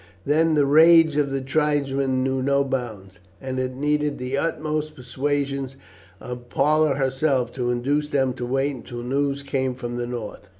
Then the rage of the tribesmen knew no bounds, and it needed the utmost persuasions of Parta herself to induce them to wait until news came from the north.